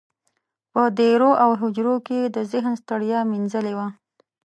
په دېرو او هوجرو کې یې د ذهن ستړیا مینځلې وه.